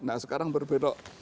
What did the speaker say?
nah sekarang berbelok